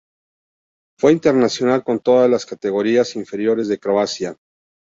Fue internacional con todas las categorías inferiores de Croacia.